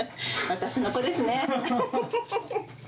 私の子ですね。